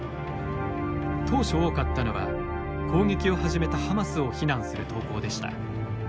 当初、多かったのは攻撃を始めたハマスを非難する投稿でした。